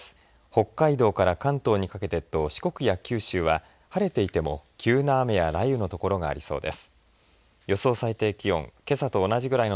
北海道から関東にかけてと四国や九州は晴れていても急な雨や雷雨のところがありそうです。